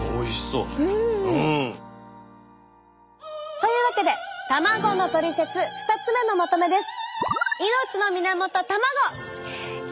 うん！というわけで「たまご」のトリセツ２つ目のまとめです！